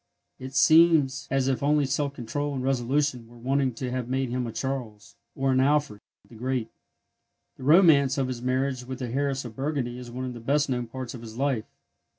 It seems as if only self control and resolution were wanting to have made him a Charles, or an Alfred, the Great. The romance of his marriage with the heiress of Burgundy is one of the best known parts of his life.